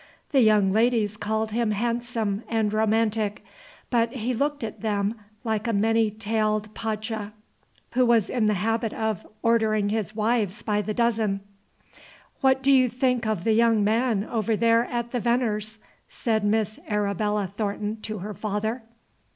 The young ladies called him handsome and romantic, but he looked at them like a many tailed pacha who was in the habit of, ordering his wives by the dozen. "What do you think of the young man over there at the Veneers'?" said Miss Arabella Thornton to her father.